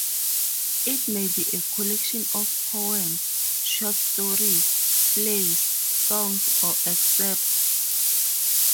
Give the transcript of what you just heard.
It may be a collection of poems, short stories, plays, songs, or excerpts.